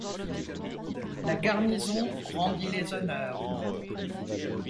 La garnison rendit les honneurs.